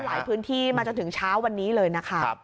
หลายพื้นที่มาจากถึงเช้าวันนี้เลยนะคะครับ